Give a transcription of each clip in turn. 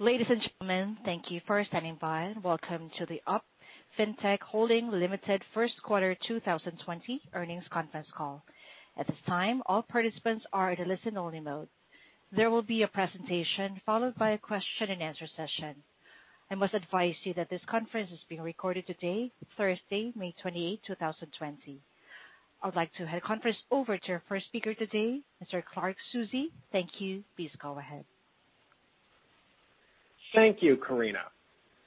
Ladies and gentlemen, thank you for standing by and welcome to the UP Fintech Holding Limited First Quarter 2020 earnings conference call. At this time, all participants are in listen-only mode. There will be a presentation followed by a question-and-answer session. I must advise you that this conference is being recorded today, Thursday, May 28, 2020. I would like to hand the conference over to our first speaker today, Mr. Clark Soucy. Thank you. Please go ahead. Thank you, Karina.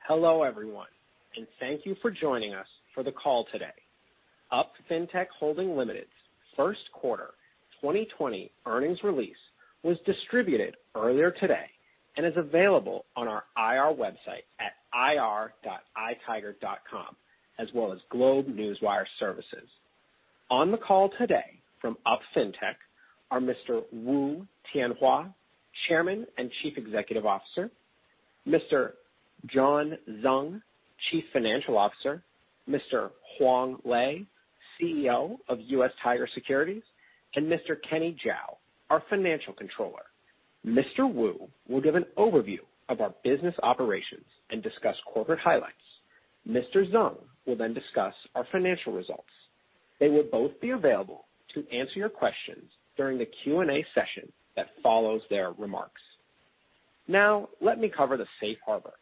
Hello, everyone, thank you for joining us for the call today. UP Fintech Holding Limited's first quarter 2020 earnings release was distributed earlier today and is available on our IR website at ir.itiger.com, as well as GlobeNewswire services. On the call today from UP Fintech are Mr. Wu Tianhua, Chairman and Chief Executive Officer, Mr. John Zeng, Chief Financial Officer, Mr. Huang Lei, CEO of US Tiger Securities, and Mr. Kenny Zhao, our Financial Controller. Mr. Wu will give an overview of our business operations and discuss corporate highlights. Mr. Zeng will then discuss our financial results. They will both be available to answer your questions during the Q&A session that follows their remarks. Now, let me cover the safe harbor.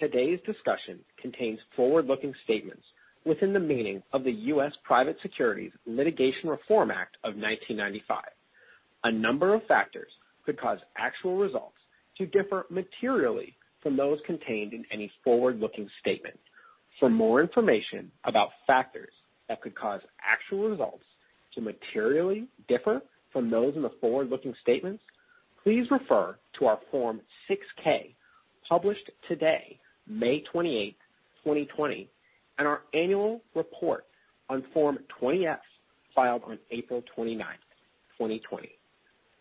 Today's discussion contains forward-looking statements within the meaning of the U.S. Private Securities Litigation Reform Act of 1995. A number of factors could cause actual results to differ materially from those contained in any forward-looking statement. For more information about factors that could cause actual results to materially differ from those in the forward-looking statements, please refer to our Form 6-K, published today, May 28, 2020, and our annual report on Form 20-F, filed on April 29, 2020.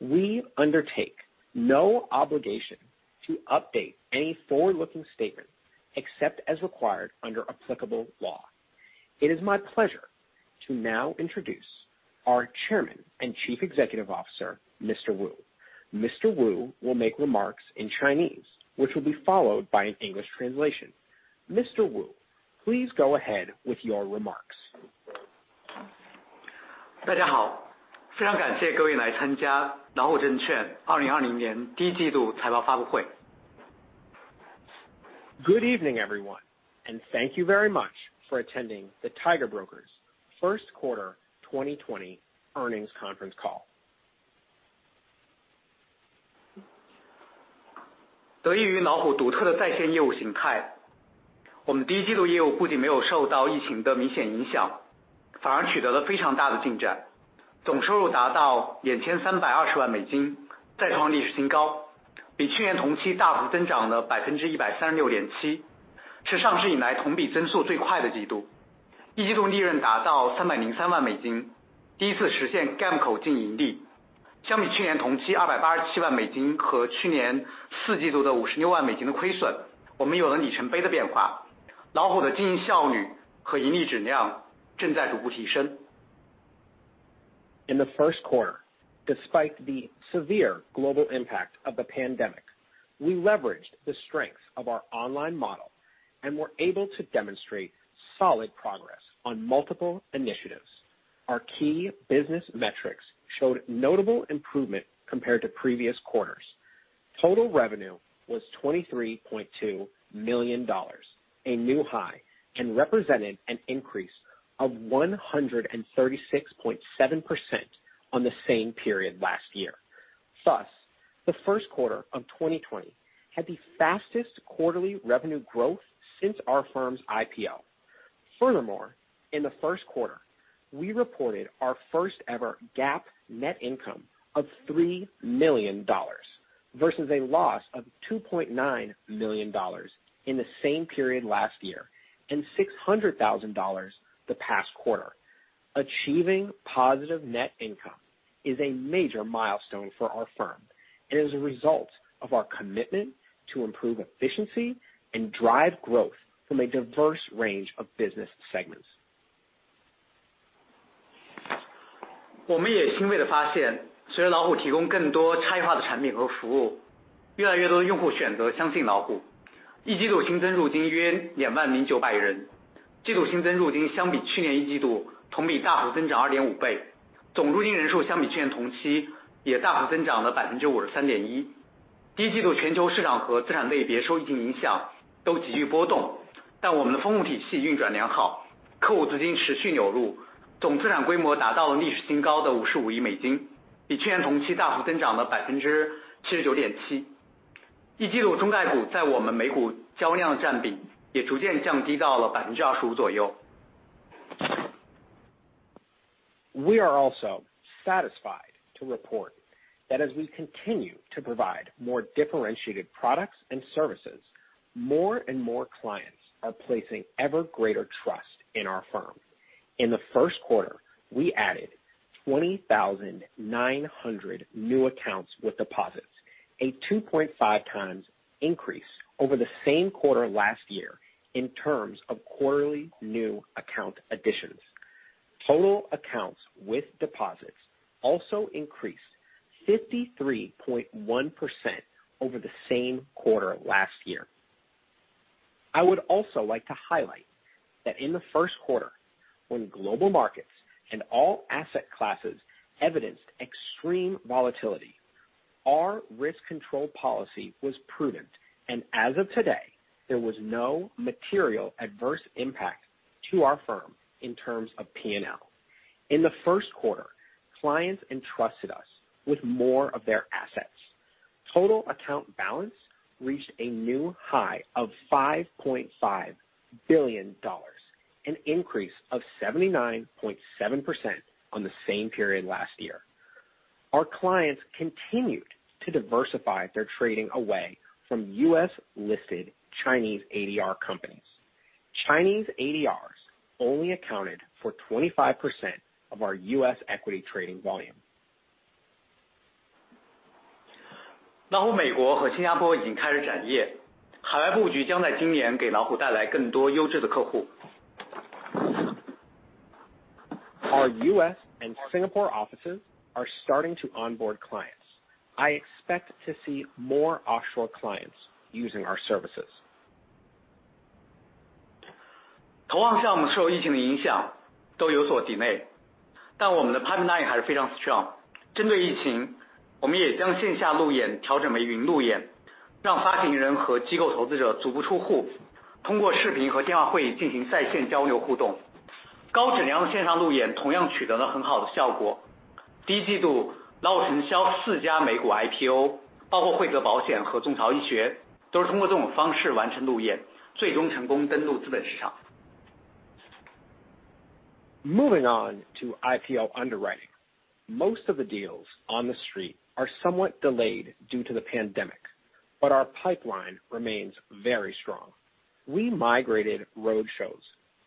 We undertake no obligation to update any forward-looking statement, except as required under applicable law. It is my pleasure to now introduce our Chairman and Chief Executive Officer, Mr. Wu. Mr. Wu will make remarks in Chinese, which will be followed by an English translation. Mr. Wu, please go ahead with your remarks. Good evening, everyone, and thank you very much for attending the Tiger Brokers first quarter 2020 earnings conference call. In the first quarter, despite the severe global impact of the pandemic, we leveraged the strength of our online model and were able to demonstrate solid progress on multiple initiatives. Our key business metrics showed notable improvement compared to previous quarters. Total revenue was $23.2 million, a new high, and represented an increase of 136.7% on the same period last year. The first quarter of 2020 had the fastest quarterly revenue growth since our firm's IPO. In the first quarter, we reported our first ever GAAP net income of $3 million, versus a loss of $2.9 million in the same period last year and $600,000 the past quarter. Achieving positive net income is a major milestone for our firm and is a result of our commitment to improve efficiency and drive growth from a diverse range of business segments. We are also satisfied to report that as we continue to provide more differentiated products and services, more and more clients are placing ever greater trust in our firm. In the first quarter, we added 20,900 new accounts with deposits, a 2.5x increase over the same quarter last year in terms of quarterly new account additions. Total accounts with deposits also increased 53.1% over the same quarter last year. I would also like to highlight that in the first quarter, when global markets and all asset classes evidenced extreme volatility, our risk control policy was prudent, and as of today, there was no material adverse impact to our firm in terms of P&L. In the first quarter, clients entrusted us with more of their assets. Total account balance reached a new high of $5.5 billion, an increase of 79.7% on the same period last year. Our clients continued to diversify their trading away from U.S.-listed Chinese ADR companies. Chinese ADRs only accounted for 25% of our U.S. equity trading volume. Our U.S. and Singapore offices are starting to onboard clients. I expect to see more offshore clients using our services. Moving on to IPO underwriting. Most of the deals on the street are somewhat delayed due to the pandemic, but our pipeline remains very strong. We migrated road shows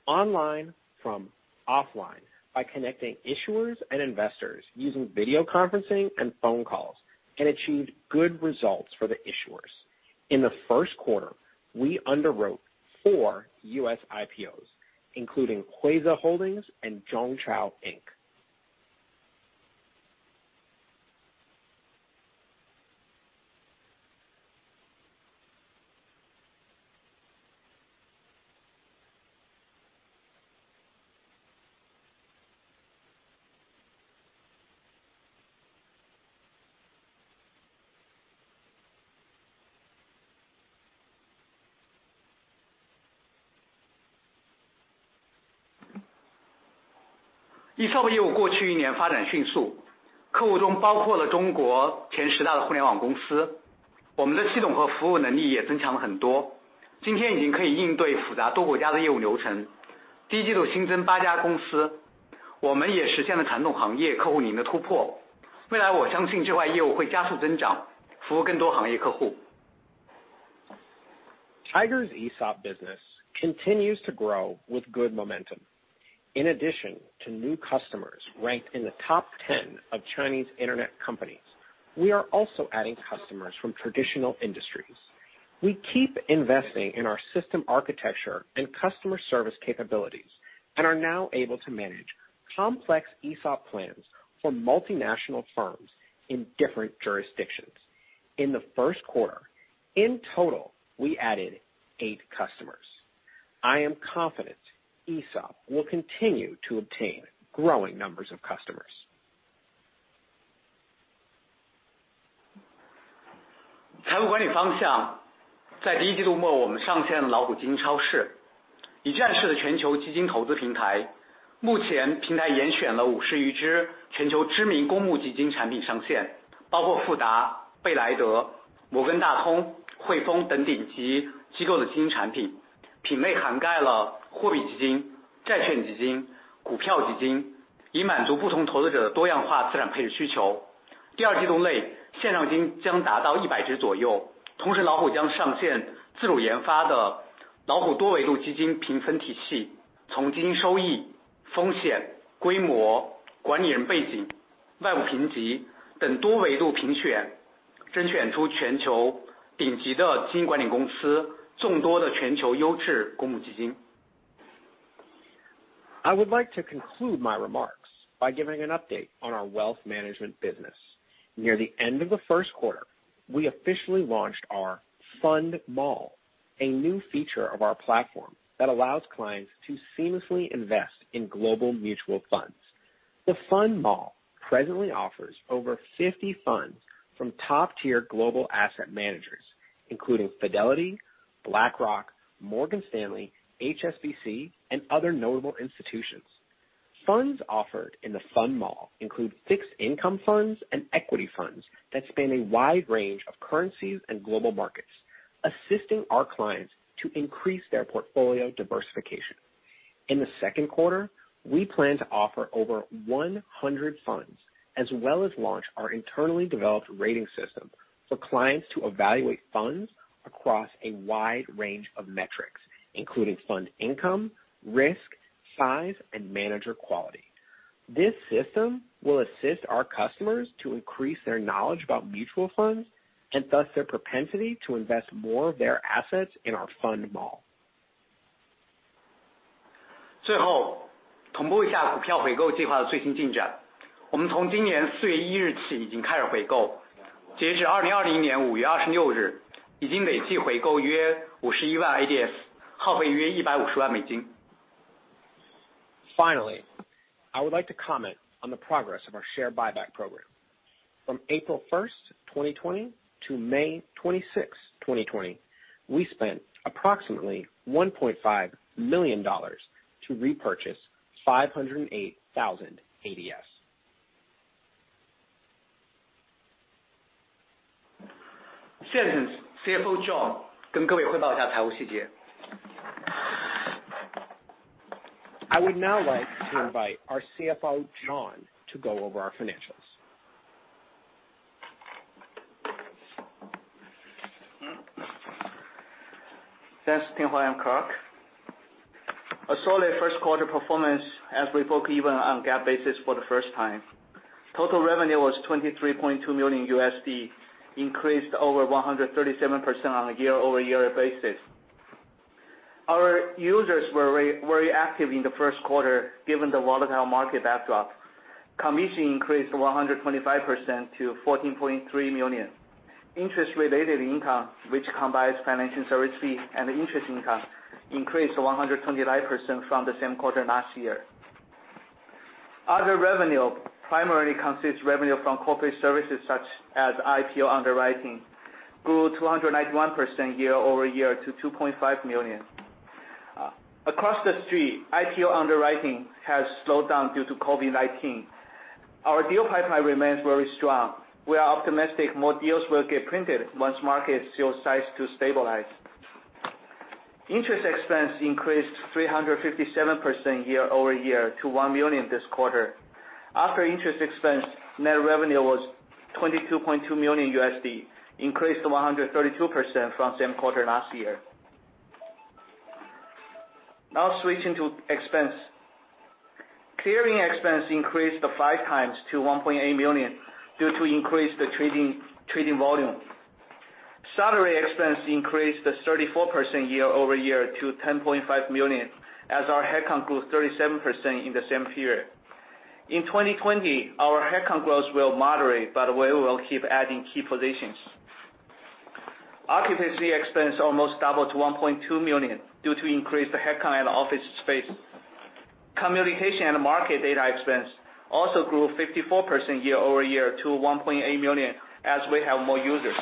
online from offline by connecting issuers and investors using video conferencing and phone calls, and achieved good results for the issuers. In the first quarter, we underwrote four U.S. IPOs, including Huize Holdings and Zhongchao Inc. Tiger's ESOP business continues to grow with good momentum. In addition to new customers ranked in the top 10 of Chinese internet companies, we are also adding customers from traditional industries. We keep investing in our system architecture and customer service capabilities and are now able to manage complex ESOP plans for multinational firms in different jurisdictions. In the first quarter, in total, we added eight customers. I am confident ESOP will continue to obtain growing numbers of customers. I would like to conclude my remarks by giving an update on our wealth management business. Near the end of the first quarter, we officially launched our Fund Mall, a new feature of our platform that allows clients to seamlessly invest in global mutual funds. The Fund Mall presently offers over 50 funds from top-tier global asset managers, including Fidelity, BlackRock, Morgan Stanley, HSBC, and other notable institutions. Funds offered in the Fund Mall include fixed income funds and equity funds that span a wide range of currencies and global markets, assisting our clients to increase their portfolio diversification. In the second quarter, we plan to offer over 100 funds, as well as launch our internally developed rating system for clients to evaluate funds across a wide range of metrics, including fund income, risk, size, and manager quality. This system will assist our customers to increase their knowledge about mutual funds, and thus the propensity to invest more of their assets in our Fund Mall. Finally, I would like to comment on the progress of our share buyback program. From April 1st, 2020 to May 26th, 2020, we spent approximately $1.5 million to repurchase 508,000 ADS. I would now like to invite our CFO, John, to go over our financials. Thanks, Tianhua and Clark. A solid first quarter performance as we broke even on GAAP basis for the first time. Total revenue was $23.2 million, increased over 137% on a year-over-year basis. Our users were very active in the first quarter, given the volatile market backdrop. Commission increased 125% to $14.3 million. Interest-related income, which combines financial service fee and interest income, increased 125% from the same quarter last year. Other revenue primarily consists revenue from corporate services such as IPO underwriting, grew 291% year-over-year to $2.5 million. Across the street, IPO underwriting has slowed down due to COVID-19. Our deal pipeline remains very strong. We are optimistic more deals will get printed once markets show signs to stabilize. Interest expense increased 357% year-over-year to $1 million this quarter. After interest expense, net revenue was $22.2 million, increased 132% from same quarter last year. Now switching to expense. Clearing expense increased to five times to $1.8 million due to increased trading volume. Salary expense increased 34% year-over-year to $10.5 million, as our headcount grew 37% in the same period. In 2020, our headcount growth will moderate, but we will keep adding key positions. Occupancy expense almost doubled to $1.2 million due to increased headcount and office space. Communication and market data expense also grew 54% year-over-year to $1.8 million as we have more users.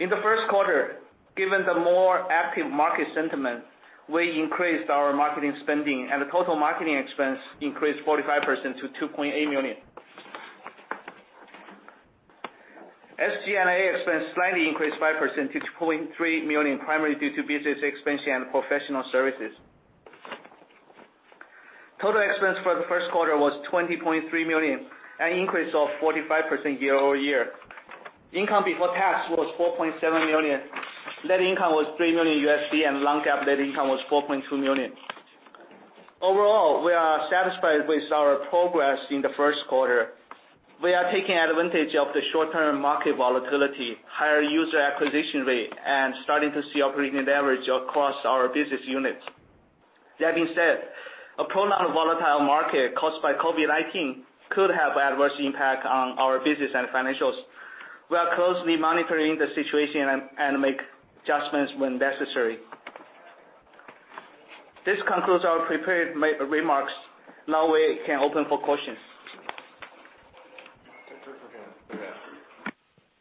In the first quarter, given the more active market sentiment, we increased our marketing spending, and the total marketing expense increased 45% to $2.8 million. SG&A expense slightly increased 5% to $2.3 million, primarily due to business expansion and professional services. Total expense for the first quarter was $20.3 million, an increase of 45% year-over-year. Income before tax was $4.7 million. Net income was $3 million, and non-GAAP net income was $4.2 million. Overall, we are satisfied with our progress in the first quarter. We are taking advantage of the short-term market volatility, higher user acquisition rate, and starting to see operating leverage across our business units. A prolonged volatile market caused by COVID-19 could have adverse impact on our business and financials. We are closely monitoring the situation and make adjustments when necessary. This concludes our prepared remarks. We can open for questions.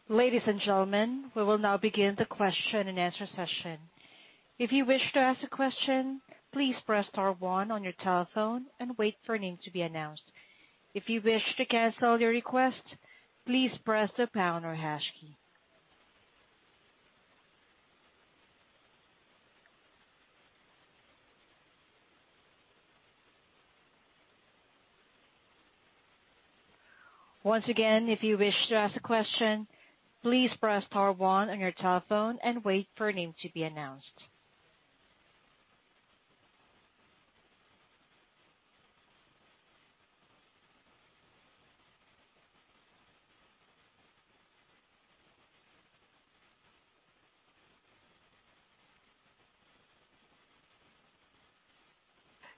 Ladies and gentlemen, we will now begin the question-and-answer session. If you wish to ask a question, please press star one on your telephone and wait for a name to be announced. If you wish to cancel your request, please press the pound or hash key. Once again, if you wish to ask a question, please press star one on your telephone and wait for a name to be announced.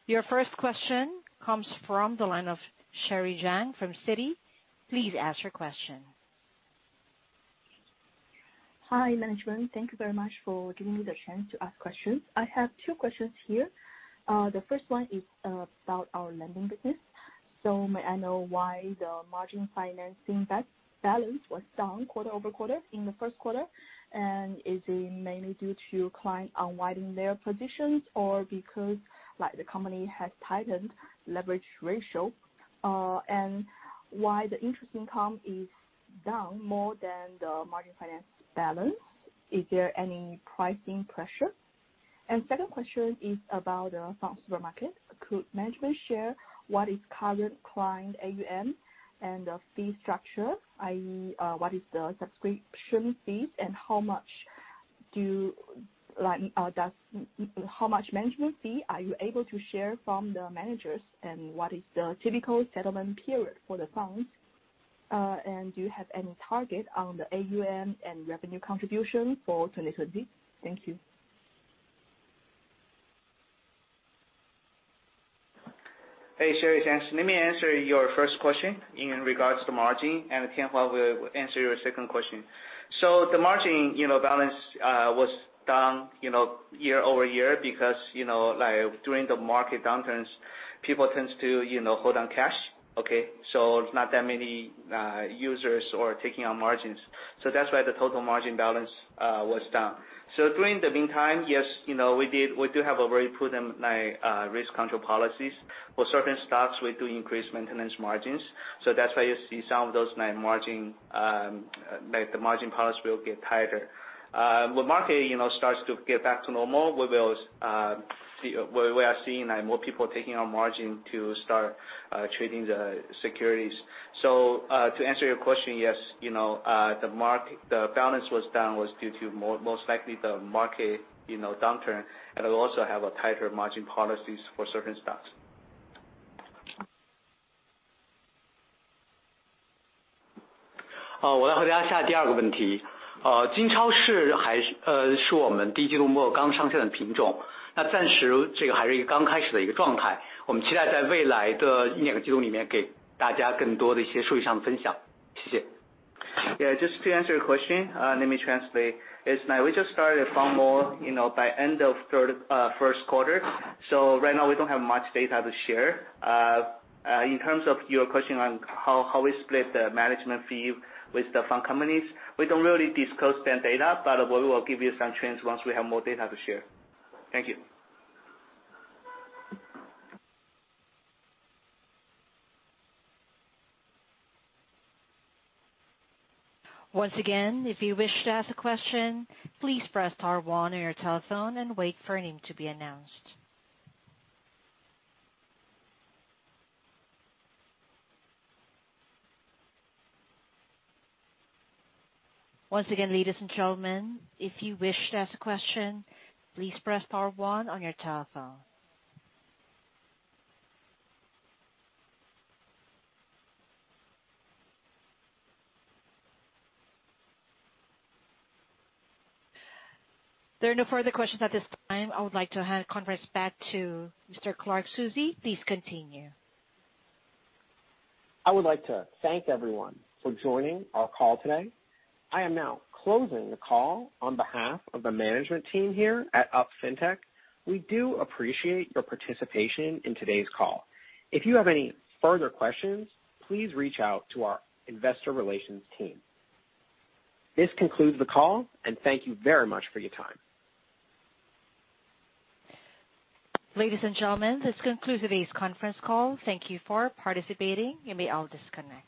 Your first question comes from the line of Sherry Zhang from Citi. Please ask your question. Hi, management. Thank you very much for giving me the chance to ask questions. I have two questions here. The first one is about our lending business. May I know why the margin financing debt balance was down quarter-over-quarter in the first quarter? Is it mainly due to client unwinding their positions or because the company has tightened leverage ratio? Why the interest income is down more than the margin finance balance? Is there any pricing pressure? Second question is about the Fund Mall. Could management share what is current client AUM and the fee structure, i.e., what is the subscription fees and how much management fee are you able to share from the managers, and what is the typical settlement period for the funds? Do you have any target on the AUM and revenue contribution for 2020? Thank you. Hey, Sherry, thanks. Let me answer your first question in regards to margin, and Tianhua will answer your second question. The margin balance was down year-over-year because, during the market downturns, people tend to hold on cash. Okay? Not that many users are taking on margins. That's why the total margin balance was down. During the meantime, yes, we do have a very prudent risk control policies. For certain stocks, we do increase maintenance margins. That's why you see some of those margin policies will get tighter. When market starts to get back to normal, we are seeing more people taking on margin to start trading the securities. To answer your question, yes, the balance was down was due to most likely the market downturn, and we also have tighter margin policies for certain stocks. Yeah, just to answer your question, let me translate. We just started a Fund Mall by end of first quarter, so right now we don't have much data to share. In terms of your question on how we split the management fee with the fund companies, we don't really disclose that data, but we will give you some trends once we have more data to share. Thank you. Once again, if you wish to ask a question, please press star one on your telephone and wait for your name to be announced. Once again, ladies and gentlemen, if you wish to ask a question, please press star one on your telephone. There are no further questions at this time. I would like to conference back to Mr. Clark Soucy. Please continue. I would like to thank everyone for joining our call today. I am now closing the call on behalf of the management team here at UP Fintech. We do appreciate your participation in today's call. If you have any further questions, please reach out to our investor relations team. This concludes the call, and thank you very much for your time. Ladies and gentlemen, this concludes today's conference call. Thank you for participating. You may all disconnect.